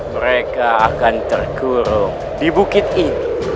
mereka akan terkurung di bukit itu